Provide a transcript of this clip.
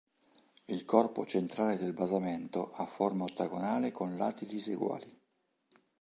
Il corpo centrale del basamento ha forma ottagonale con lati diseguali.